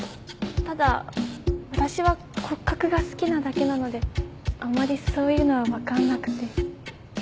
ただ私は骨格が好きなだけなのであんまりそういうのは分かんなくて。